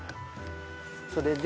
それで。